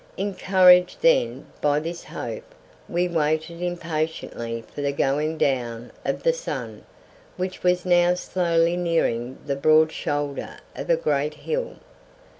Encouraged then by this hope we waited impatiently for the going down of the sun, which was now slowly nearing the broad shoulder of a great hill.